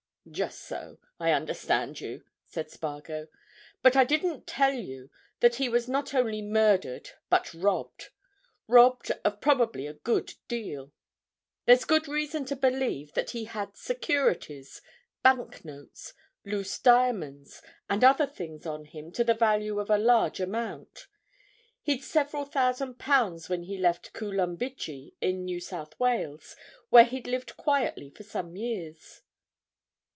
"Just so—I understand you," said Spargo. "But I didn't tell you that he was not only murdered but robbed—robbed of probably a good deal. There's good reason to believe that he had securities, bank notes, loose diamonds, and other things on him to the value of a large amount. He'd several thousand pounds when he left Coolumbidgee, in New South Wales, where he'd lived quietly for some years."